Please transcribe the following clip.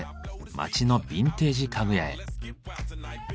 街のビンテージ家具屋へ。